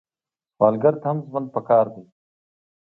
سوالګر ته هم ژوند پکار دی